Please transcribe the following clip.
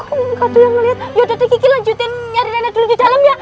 kok gak ada yang ngeliat yaudah tiki tiki lanjutin nyari rena dulu di dalam ya